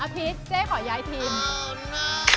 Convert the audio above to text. อภิษเจ๊ขอย้ายทีม